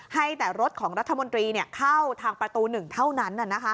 ให้แต่รถของรัฐมนตรีเข้าทางประตู๑เท่านั้น